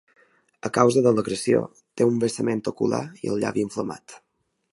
A causa de l’agressió, té un vessament ocular i el llavi inflamat.